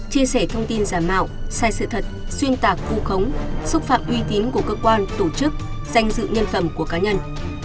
chia sẻ thông tin giả mạo sai sự thật xuyên tạc vù khống xúc phạm uy tín của cơ quan tổ chức danh dự nhân phẩm của cá nhân